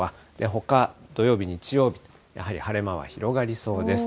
ほか土曜日、日曜日、やはり晴れ間は広がりそうです。